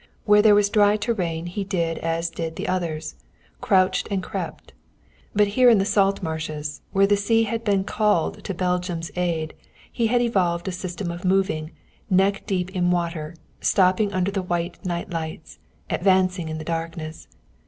Where there was dry terrain he did as did the others, crouched and crept. But here in the salt marshes, where the sea had been called to Belgium's aid, he had evolved a system of moving, neck deep in water, stopping under the white night lights, advancing in the darkness.